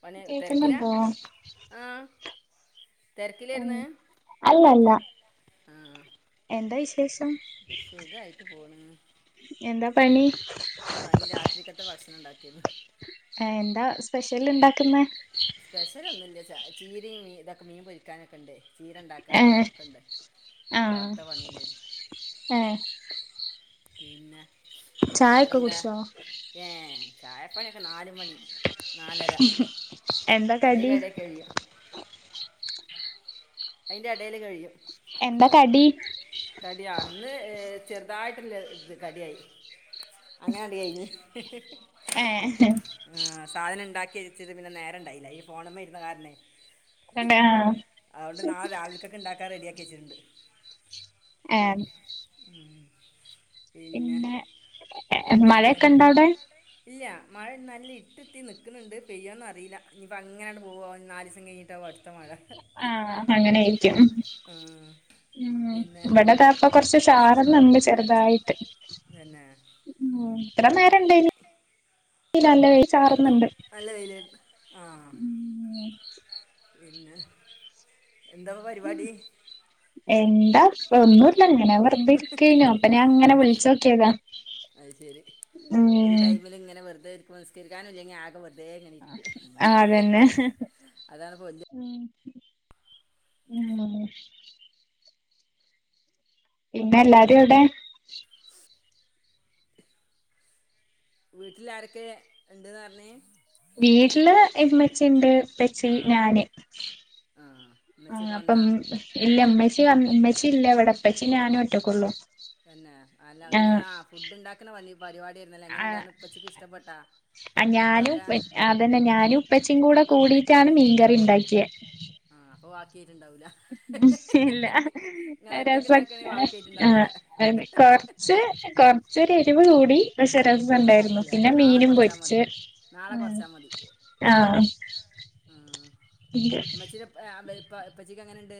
Funny തിരക്കിലാ കേക്കുന്നുണ്ടോ ആ തെരക്കിലേരുന്നു അല്ലല്ല ആഹ് എന്താ വിശേഷം സുഖായിട്ട് പോണ് എന്താ പണി പണി രാത്രിക്കത്തെ ഭക്ഷണം ഉണ്ടാക്കാരുന്നു എന്താ സ്പെഷ്യൽ ഉണ്ടാക്കുന്നെ സ്പെഷ്യലൊന്നുമില്ല ച ചീരയും മീനും ഇതൊക്കെ മീൻ പൊരിക്കാനൊക്കെ ഇണ്ട് ചീര ഏ ണ്ടാക്കാനും ഒക്കെ ണ്ട് ആഹ് പാടത്തെ പണില് ഏ പിന്നെ ചായൊക്കെ വേറെന്താ കുടിച്ചോ? ഏ ചായപ്പണിയൊക്കെ നാല് മണി. നാലര എന്താ കടി അയിൻ്റെടെ കഴ്യ്യും അതിന്റെ ഇടയില് കഴിയും എന്താ കടി ഇന്ന് ചെയുതായിട്ടുള്ള കടി ആയിരുന്ന് അങ്ങനെ അങ്ങ് കഴിഞ്ഞു. ഏ സാധനം ഉണ്ടാക്കി വെക്കാൻ നേരം ഉണ്ടായിരുന്നില്ല ഫോണെമേൽ ഇരുന്ന കാരണം. ആഹ് നാള രാവിലൊക്കെ ഉണ്ടാക്കാൻ റെഡി ആാക്കി വെച്ചിട്ടുണ്ട് ഏ പിന്നെ എന്താണ് മഴയൊക്കെ ഇണ്ട അവിടെ ഇല്ല മഴ നല്ല ഇട്ട്ത്തി നിൽക്കുന്നുണ്ട് പെയ്യോയന്ന അറിയില്ല ഇനിയിപ്പോൾ അങ്ങനൊണ് പോകോ നാല് ദിവസം കഴിഞ്ഞിട്ടാകോ അടുത്ത മഴ അങ്ങനെ ആ, പിന്നെ ഇവിടെതാപ്പ കൊറച്ച് ചാറന്നുണ്ട് ചെറുതായിട്ട് പിന്നെ ഇത്ര നേരം ഇണ്ടായില്ല നല്ല മഴ ചാറുന്നുണ്ട് നല്ല വെയിലായിരുന്നു ആ പിന്നെ എന്താവാ പരിപാടി എന്താപ്പ ഒന്നുല്ലങ്ങനെ അങ്ങനെ വെറതെ ഇരിക്കഞ്ഞു അപ്പൊ ഞാൻ അങ്ങനെ വിളിച്ചോക്കിയതാ അത് ശരി ഉ നിസ്കരിക്കാൻ ഇല്ലകിൽ ആക ആതന്നെ അതാണ് ഇപ്പോൾ വലിയ ഉം പിന്നെ എല്ലാാരെയും ഇവിടെ വീട്ടിൽ ആരൊക്കെ ഉണ്ട്ന്ന് പറഞ്ഞേ വീട്ടില് ഇമ്മച്ചിയുണ്ട്, ഇമ്മച്ചി ആഹ് ഞാന് ആഹ് ആ ഉമ്മച്ചിയൊക്കെ അപ്പ വന്നാ ഇല്ലമ്മ ഉമ്മച്ച ഇല്ല എവിടെപ്പച്ചേ ഞാനും ഒറ്റക്കള്ളൂ. തന്നെ അല്ല ഒന്ന് ആ ഫുഡ് ഉണ്ടാക്കുന്ന വന്നി ആ ആ ഫുഡൊക്കെ ഞാനുംഉപ്പ അതന്നെ ഞാനും ഇപ്പച്ചും കൂടെ കുടിട്ടാണ് മീൻകറി ഉണ്ടാക്കിയത് ആ ആക്കി ഇല്ല നിങ്ങൾ ഒറ്റക്ക് ഉണ്ടാക്കുകയാണെങ്കിൽ രസക്കേ ആ ബാക്കിയായിട്ടുണ്ടാവും അവിടെ അ കൊറച്ച് കൊറച്ച് ഇവളോടി വിശപ്പ് അത് ഉണ്ടായിരുന്നു കുഴപ്പമില്ല പിന്നെ നാളെ മീനും കുറച്ചാൽ മതി പൊരിച്ച് നാളെ ഉ കുറച്ചാൽ മതി ആഹ ഉം ഉമ്മച്ചിടെ ഇപ്പ എപ്പച്ചിക്ക് എങ്ങനെണ്ട്?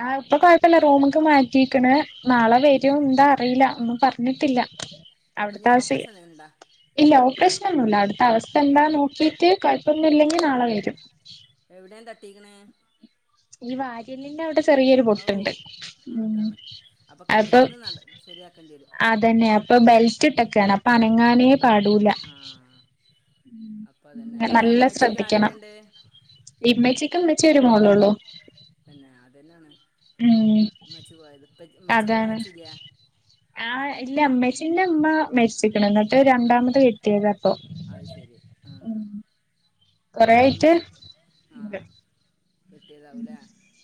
ആ ഇപ്പൊ കൊഴപ്പല്ല. റൂമൊക്ക് മാറ്റിയേക്കണ് നാളെ വരും പിന്നെ എന്താ അറിയില്ല ഒന്ന് പറഞ്ഞ ഞ്ഞിട്ടില്ല. അപ്പം ഇനി അവിടുത്തെ അവസ്ഥ. ഓപ്പറേഷൻ എന്തെങ്കിലും ഉണ്ടോ ഇല്ല ഓപ്പറേഷനൊന്നുല്ല അവിടത്തെ അവസ്ഥ പിന്നെ എന്താന്ന് നോക്കീട്ട് കുഴപ്പമൊന്നുമില്ലെങ്കി നാളെ വരും എവിടെയാണ് തട്ടിക്കണേ ഈ വാര്യല്ലിൻ്റെ അവിടെ ചെറിയൊരു ഔ പൊട്ടുണ്ട്. ഉം അതാണ് അപ്പൊ അപ്പം കിടന്ന് നട ശരിയാക്കേണ്ടി വരും അതന്നെ അപ്പൊ ബെൽറ്റ് ഇട്ടെക്കാണ് അപ്പൊ അനങ്ങാനേ പാടൂല ആഹ് അപ്പൊ അതന്നെ അല്ല നല്ല അമ്മച്ചിക്ക് ശ്രദ്ധിക്കണം ആരൊക്കെയുണ്ട് ഇമ്മച്ചിക്കും ഇമ്മച്ചിയും ഒരു മോളൊള്ളൂ പിന്നെ അതന്നെയാണ് ഉം മ്മച്ചി പോയത് ഇപ്പ ഉമ്മച്ചിക്ക് അതാണ് ഉമ്മച്ചി ഇല്ല. ആഹ് ഇല്ല ഉമ്മച്ചിന്റെ ഉമ്മ മരിച്ചിക്കണ് എന്നിട്ട് ആഹ് രണ്ടാമത് കെട്ടിയതാ ഇപ്പൊ അത് ശരി ആഹ് കൊറേ പിന്നെ ഉമ്മച്ചി ആ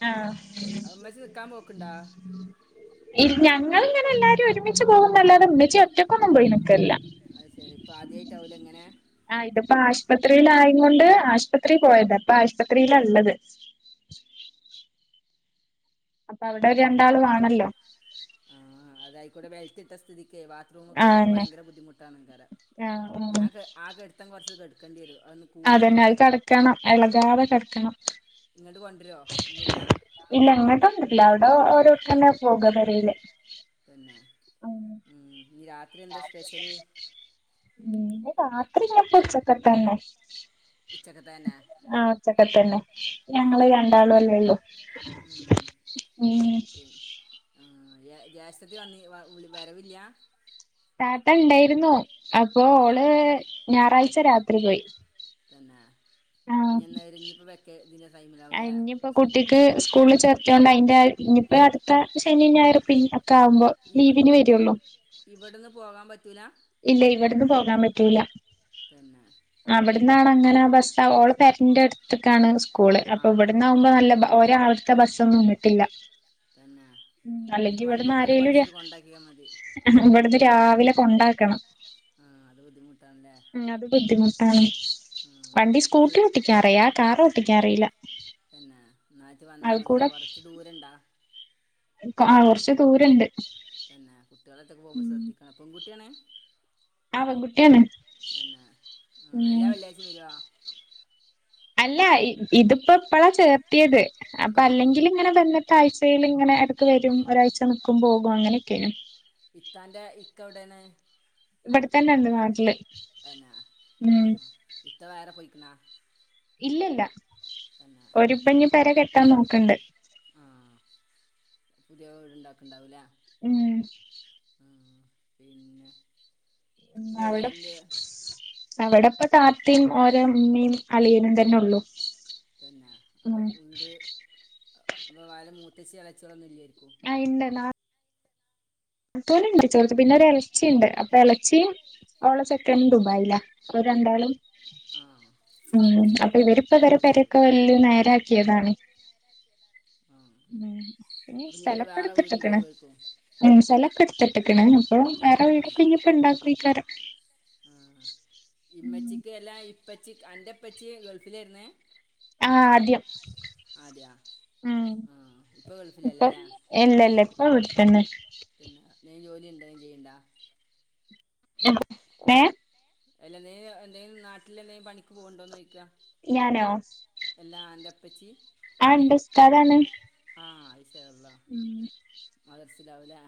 ആ അത് ഇമ്മച്ചി നിക്കാൻ പോക്ക്ണ്ടോ ഞങ്ങളിങ്ങനെ എല്ലാരും ഒരുമി ച്ച് പോകുന്നല്ലാതെ ഉമ്മച്ചി ഒറ്റക്ക് ഒന്നും പോയി നി അത് ശരി ഇപ്പൊ ആദ്യായിട്ടാവൂലെ ഇങ്ങനെ ഇപ്പൊ ആശുപത്രീല് ആയ കൊണ്ട് ആശുപത്രി പോയതാ. ഇപ്പൊ ആശുപത്രീലാ ഉള്ളത് അപ്പൊ അവിടെ രണ്ടാള് വേണല്ലോ ആഹ് അതായിക്കൂടെ ബെൽട്ട് ഇട്ട സ്ഥിതി ക്ക് ബാത്റൂമ് ഒക്കെ ഓക്ക് ആന്നെ ഭയങ്കര ബുദ്ധിമുട്ടാണ് ഭയങ്കര. ആഹ് ആഹ് ഞാൻ ക ആ കെടുത്തം കുറച്ച് കെട ക്കണ്ടിവരുക അതന്നെ അത് കിടക്കണം ഇളകാതെ കിടക്കണം ഇങ്ങോട്ട് കൊണ്ടുവരുമോ ഇല്ലല്ല ഇല്ല അങ്ങട്ടുണ്ട് എല്ലാവടോം ഓരോരുത്തന്നെ പോക പെരയിലേ പിന്നെ ഉം ഇനി രാ ഉം പിന്നെ രാത്രി ഉച്ചക്കത്തന്നെ ഉച്ചക്കത്തന്നെ ഉച്ചക്കത്തന്നെ ഞങ്ങള് രണ്ടാളും അല്ലേ ഉള്ളൂ. ഉം ഉം ജേഷ്ഠത്തി വന്ന് വരവില്ല താത്ത ഉണ്ടായിരുന്നു അപ്പൊ ആ ഓള് ഞായറാഴ്ച രാത്രി പോയി തന്നെ ആ ഇഞ്ഞെന്നാ വര്യ ഇഞ്ഞിപ്പോ വെക്കെ ഇ ഇനിയിപ്പോ കുട്ടിക്ക് സ്കൂളിൽ ചേർത്തിയോണ്ട് അതിന്റെ ഇനിപ്പോ അടുത്ത ശനിയും ഞായറും പിന്നെ കാവുമ്പോ ഇവ ലീവിന് വരുള്ളൂ റ്റൂല ഇല്ല ഇവിടുന്ന് പോകാൻ പറ്റൂല്ല തന്നെ ന്താണ് അങ്ങനെ ബസ് താ ഓളെ പെരെൻ്റെ എട് ഇതൊക്കാണ് സ്കൂള് ആ അപ്പൊ ഇവിടന്നാവുമ്പോ നല്ല ബ ഒരാൾ ത്ത ബസ്സൊന്നും വന്നിട്ടില്ല തന്നെ മ്മ് അനക്ക് അല്ലെങ്കിൽ ഇവിടന്ന് വണ്ടിയൊക്കാണ്ട് ആരെലും പഠിച്ചിട്ട് കൊണ്ടാക്കിയാൽ മതി ഇവിടുന്ന് രാവിലെ കൊണ്ടാ ക്കണം ആ അത് ബുദ്ധിമുട്ടാണല്ലേ മ്മ് അത് ബുദ്ധിമുട്ടാണ് ആ വണ്ടി അൽ സ്കൂട്ടി ഒട്ടിക്കാനറിയാ കാറ് ഓ ടിക്കാൻ അറീല വന്നാ മതി കുറച്ച് ദൂരണ്ടാ കൊറച്ച് ദൂരണ്ട് തന്നെ കുട്ടികള് ഒറ്റക്ക് പോകുമ്പോൾ ശ്രദ്ധിക്കണം പെൺകുട്ടിയാണ് ആഹ് പെൺകുട്ടിയാണ് മ്മ് എല്ലാ വെള്ളിയാഴ്ചയും വരുവോ അല്ല ഇത് ഇതിപ്പം ഇപ്പള ചേർത്തിയത് അപ്പൊ ആഹ് അല്ലെങ്കിൽ ഇങ്ങനെ വല്ല താഴ്ചയിൽ ഇങ്ങനെ ഇടയ്ക്ക് വരും ഒരാഴ്ച നിൽക്കും പോകും അങ്ങനെയൊക്കെയാണ് ടെണ് ഇവിടെത്തന്നെ ഇണ്ട് നാട്ടില് തന്നെ ഉം ആഹ് ഇത്ത വേറെ പോയി ക്ക്ണ ഇല്ലല്ല ഓര് ഇപ്പോ ഇനി പെര കെട്ടാൻ നോക്ക്ണ്ട് ആഹ് പുതിയ വീട് ഉണ്ടാക്ക്ണ്ടാവൂല്ലേ മ്മ് പിന്നെ മ് അവടപ് വേറെന്ത് അവടപ്പ താത്തീം ഓലെമ്മിം അളിയനും തന്നെ നൊള്ളു പിന്നെ അതപ്പുണ്ട് മൂത്തച്ചി എളേച്ചി ഓന്നൂല്ലേ ആഹ് ഇണ്ട് ടാ നാത്തൂനുണ്ട് ചെർത് പിന്നെ ഒരു എളച്ചിണ്ട് അപ്പെ ഇളച്ചിം ഓളെ ചെക്കനും ദുബായീലാ ഓൽ രണ്ടാളും ആഹ് മ് അപ്പൊ ഇവരിപ്പൊവരെ അത് ശരി പെരെക്കെ വല്ല്യേ നേരാക്ക്യേതാണ് ആഹ് പിന്നെ അപ്പം ഇനി ഇവര് വേറെ സ്ഥലൊക്കെട്ത്ത്ട്ട്ക്ക്ണ് വീടുണ്ടാക്കുമായിരിക്കും സ്ഥലൊക്കെട്ത്ത്ട്ട്ക്ക്ണ് അപ്പ വേറെ വീടൊക്കെ ഇനിഞ്ഞിപ്പോ ഇണ്ടാക്കെയ്ക്കും ആ ഉം ഇമ്മച്ചിക്ക് എല്ലാം ഇപ്പച്ചി അന്റെ ഇപ്പച്ചി ഗൾഫിലേര്ന്ന് ആഹ് ആദ്യം അതെയാ മ് ആഹ് ഇപ്പൊ ഇപ്പ ഗൾഫിലല്ലല്ലേ ഇല്ല ഇല്ല ഇപ്പ ഇവടത്തന്നെ എന്തേലും ചെയ്യണ്ട ഏ അല്ലന്തേലും എന്തേലും നാട്ടിലെ ന്തേലും പണിക്ക് പോക്ണ്ടോന്ന് ചോയ്ക്കാ ഞാനോ ലാ അന്റപ്പച്ചി ആ ണ്ട് ഉസ്താദാണ് ആഹ് മ് സ്സിലാവൂലേ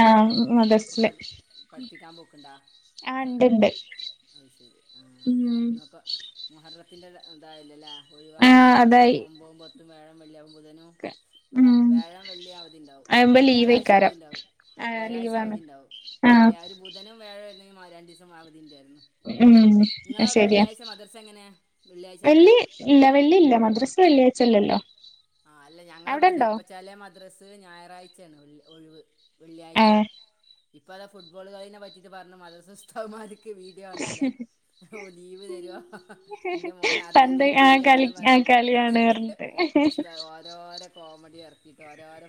ആഹ് മദസില് പഠിപ്പിക്കാൻ ആഹ് ണ്ട് ണ്ട് അയ്ശെരി ആഹ് ന്നോക്കെ [inaudible] ത്തിന്റെ തായല്ലല്ലേ ആ ഒഴിവാവാനും മദർസ അതായി ഒമ്പതും പത്തും വ്യാഴം വെള്ളിയാവും ബുധനും ഉം വ്യായോം വെള്ളീം അവധി ഉണ്ടാവും അവുമ്പോ വ്യാഴാഴ്ച ലീവയ്ക്കാരം അവധിണ്ടാവും ആ വ്യാഴാഴ്ച ലീവാണ് അവധിണ്ടാവും ആ വെള്ളി ഒരു ബുധനും വ്യാഴ [inaudible] രണ്ടീസം അവധിണ്ടായിരുന് ഉമ്മ് ശെരിയാ മദ്രസ എങ്ങനെ വെള്ളിയാഴ്ച തന്നെ വെള്ളി ഇല്ല വെള്ളി ഇല്ല മദ്രസ വെള്ളിആയ്ച്ച ല്ലല്ലോ ആഹ് അല്ല ഞങ്ങളവടെ ചെലപ്പോ ചെലേ മദ്രസ്സ് ഞായറാഴ് ച്ചേണ് [inaudible] ഒഴിവ് ഏ വെള്ളിയാഴ്ച ഇപ്പതാ ഫുട്ബോൾ കളീനെ പറ്റിട്ട് പറഞ്ഞു മദറസ്താദ്മാരെ വീഡിയോ കണ്ടീലേ ഓ ലീവ് തരോ ഹഹ ഇന്റെ മോന് പന്ത് അർജന്റീന ആ കളി കളിയാണ്ന്ന് ആ പറഞ്ഞട്ട് കളിയാണ് പറഞ്ഞിട്ട് ഉസ്താദ് ഓരോരോ കോമഡി [inaudible]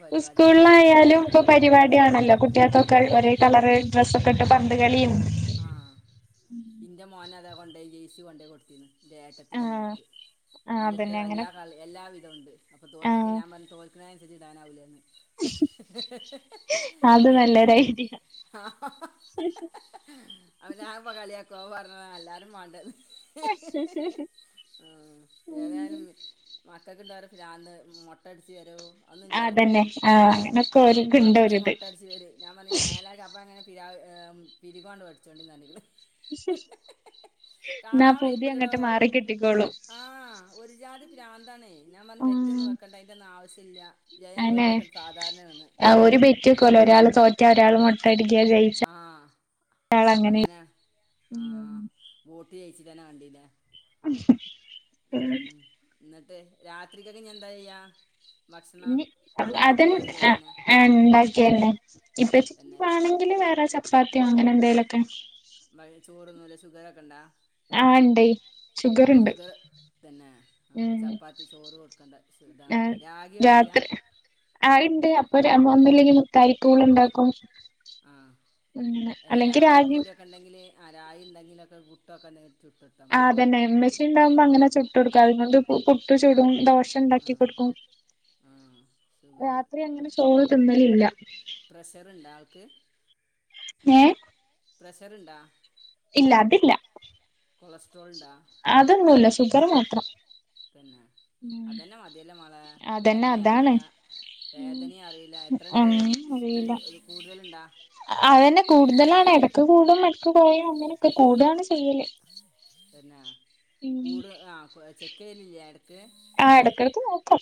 പരിപാടി ഇറക്കുമ്പോ ഇങ്ങനെ സ്കൂളിലായാലും ഇപ്പ പരിപാടാണല്ലോ കുട്ട്യാക്കൊ ഒരേ കളറെ ഡ്രസ്സ ഒക്കെ ഇട്ട് പന്ത് കളീം ആ ഇന്റെ മോനതാ വണ്ടേ ജേയിസി വണ്ടേ കൊടുത്തി ന്ന് എന്റെ ആ ഏട്ടത്തീടെ മോൾക്ക് ഓ ആ ന്റ ടുത്ത് അതന്നെ അങ്ങനെ എല്ലാ കളി എല്ലാവിധമുണ്ട് അപ്പോ ആഹ് തോൽക്കുന്ന ഞാൻ പറഞ്ഞ തോൽക്കുന്ന ഇജിതാനാവില്ലന്ന് അത് നല്ലൊരു ഐഡിയ അവനാവുമ്പം കളിയാക്കും ആ [inaudible] ആ്എല്ലാരും ബാണ്ട്‌ അ ഉ [unintelligible] ആന്ന് മുട്ടടിച്ച് തരുോ ഒന്നും വിചാരിക്കണ്ടാ അതന്നെ ആഹ് അത് അങ്ങനൊക്കെ ഓര്ക്ക്ണ്ട് പകുതി ഒരിത് മൊട്ടച്ചെവരും ഞാൻ പറഞ്ഞ മേലാ ചപ്പാങ്ങനെ ഫരി [unintelligible] പിരികാണ് വടിച്ചുകൊണ്ടെ നനക്കണ് എന്നാ കാണാൻ പുതിയ വയ്ക്കൂലടോ അങ്ങട്ട് മാറിക്കി ട്ടിക്കോളും പിരാന്താണേ ഉം ജയം അനെ തോൽവിയൊക്കെ സാധാരണയാണ് ആ ഒരു ബെറ്റിക്കോല ഒരാൾ തോറ്റ ഒരാൾ മുട്ടടിക്ക ജയി ആ അങ്ങനെ ആ വോട്ട് ജയിച്ച തന്നെ വണ്ടീലെ ഉ [unintelligible] എന്നിട്ട് രാത്രിക്കൊക്കെ ഇ എന്താ ചെയ്യാ ഭക്ഷണം ഇ ഉണ്ടാക്കിയ അതിനെ മുളക് കറി തന്നെ ഉണ്ടാക്കിയല്ലേ ഇപ്പ പിന്നെ ചുടുവാണെങ്കിലും വേറെ ചപ്പാ സാത്യം അങ്ങനെ എന്തേലും ഒക്കെ വൈ ചോറൊന്നുമില്ല ഷുഗർ ഒക്കെ ഉണ്ടോ ആ ഉണ്ട് ഷുഗർ ഉണ്ട് തന്നെ ആ ഉ അപ്പോൾ ചപ്പാത്തി ചോറ് കൊടുക്കേണ്ട ആ ഇതാണല്ലേ രാഗിയൊന്നുമില്ല രാത്രി ആ ഇണ്ട് അപ്പൊ വന്നില്ലെങ്കിൽ കൈക്കു ളുണ്ടാക്കും കുഓ [unintelligible] ആ അല്ല രാഗി രായിപ്പൊടിയൊക്കെ ഉണ്ടെങ്കില് ആ രായി ഇ ണ്ടെങ്കിലൊക്കെ ഗുട്ടൊക്കെ നീ ആ അതന്നെ ഇ മ്മെച്ചി ഉണ്ടാവുമ്പോ അങ്ങനെ ചൊട്ടെ ടുക്ക അതോണ്ടും പുട്ടു ചുടും ദോശ് ട്സ് ഉണ്ടാക്കി കൊടുക്കും ആ ഷുഗർ രാത്രി അങ്ങനെ ചോറ് തിന്നു ഇല്ല പ്രഷറുണ്ടോ ആൾക്ക് ഏ പ്രസറുണ്ടോ ഇല്ല അതില്ല കൊളസ്ട്രോൾ ഉണ്ടോ അതൊന്നുമില്ല ഷുഗർ മാത്രം തന്നെ ഉം അതന്നെ മതിയല്ല മോളെ അതന്നെ വേദന അതാണ് അറിയില്ല വേദനയും അറിയില്ല എത്ര ഇണ്ട് ഒന്നും കൂടുതലുണ്ടാ അതുതന്നെ കൂടുതലാണ് ഇടക്ക് കൂടും ഇടക്ക് കൊറയും അങ്ങനെ ഇക്കെ കൂടാണ് ചെയ്യല് പിന്നെ ഉം കൂട് ആഹ് ചെക്ക് ചെയ്യലില്ലേ ഓക്കെ ആ എടക്കിടക്ക് നോക്കും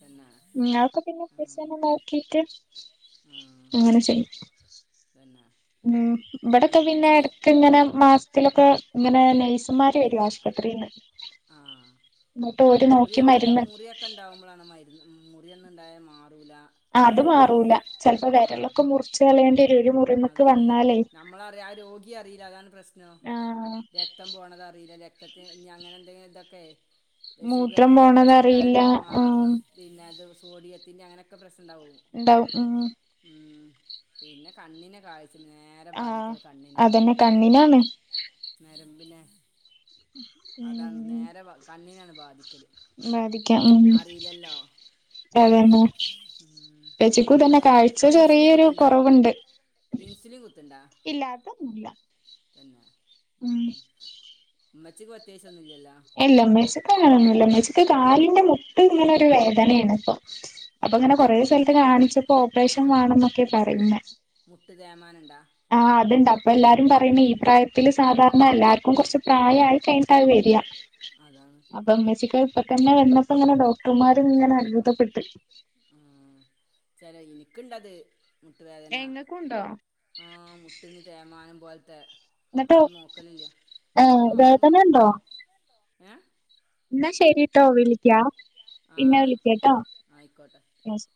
പിന്നെ നിങ്ങക്കെ പിന്നെ ഉം പ്രെസറ് നോക്കിട്ട് ഉം അങ്ങനെ ചെയ്യും പിന്നെ ഉം ഇവിടക്കെ പിന്നെ ഇടക്ക് ഇങ്ങനെ മാസത്തിലൊക്കെ അങ്ങനെ നഴ്സുമാര് വരും ആശുപത്രിന്ന് ആഹ എന്നിട്ട് ഓര് നോക്കി മുറിയൊക്കെ ഉണ്ട മരുന്ന് മുറിയൊക്കെ ഉണ്ടാവുമ്പോഴാണ് മരുന്ന് മുറിയുന്നുണ്ടായ മാത്രം അത് മാറൂല ചിലപ്പോ ആ വിരലൊക്കെ മുറിച്ച് കളയേണ്ടി വരും ഒരു മുറിമക്ക് അതന്നെ വന്നാലേ നമ്മളറിയ ആ രോഗിയ അറിയില്ല അതാണ് പ്രശ്നം ആഹ് രക്തം പോണതറിയില്ല രക്തത്തി ഇനി അങ്ങനെ എന്തെങ്കിലും ഇതൊക്കെ മൂത്രം ഷുഗറിന്റെ പ്രശ്നം പോണതറിയില്ല ഉണ്ടായാലും ആ ആഹ് പിന്നെ അത് സോഡിയത്തി്ൻ്റെ അങ്ങനെ ഒക്കെ പ്രശ്നം ഉാണ്ടാവും എന്താ ഉം കണ്ണിന് കാഴ് ആഹ അതെന്നെ കണ്ണിനാണ് നരമ്പിനെ അതാണ് ഉം നേരെ കണ്ണിനാണ് ബാധിക്കല് ബാധിക്കാം ഉം അറിയില്ലല്ലോ അതന്നെ ഉം ഷുഗർ ഉപ്പച്ചിക്കും ഇണ്ടായ ഇൻസുലിൻ കുത്തണ്ട ഇല്ലാത്ത ഒന്നൂല്ല തന്നെ മ്മ് ഉമ്മച്ചിക്ക് അത്യാവശ്യം എല്ലാം മേച്ചക്കണന്ന എല്ലാം ഉമ്മച്ചക്ക് കാലിന്റെ മുട്ട് ഇപ്പ ഇങ്ങനൊരു വേദനയാണ് അപ്പൊ അപ്പൊ അങ്ങനെ ആഹ് കൊറേ അത് സ്ഥലത്ത് കാണിച്ചപ്പോ ഓപ്പറേഷൻ അപ്പൊ വേണംന്നൊക്കെ പറയുന്ന മുട്ട് തേമാനണ്ടാ ആ അത്ണ്ട് അപ്പ എല്ലാരും പറയുന്ന ഈ പ്രായത്തില് സാധാരണ എല്ലും കുറച്ചച്ച് ആഹ് പ്രായമായിയി കഴിഞ്ഞട്ടാ അത് വരിക അതാണ് ചെക്കൻ ഇപ്പൊ തന്നെ വന്നപ്പോ ങ്ങനെ ഡോക്ടർമാരും ഇങ്ങനെ അത്ഭുതപ്പെട്ട് ഉം ചെലെ ഇനിക്ക്ണ്ടത് മുട്ടുവേദന ഇങ്ങക്കുണ്ടോ ആ മുട്ടിന് തേമാനം പോലത്തെ എന്നിട്ട് പ്പാണ്ട് നോക്കലില്ല ഏഹ് വേദന ഡോക്ടർമ്മാര് ഇന്നാ ശരിട്ടോ വിളിക്ക്യാ ആഹ് പിന്നെ ആയിക്കോ വിളിക്കട്ടോ ആയിക്കോട്ടെ ന്നാ ശരി